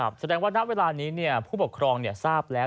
ค่ะแสดงว่าณเวลานี้เนี่ยผู้ปกครองเนี่ยทราบแล้ว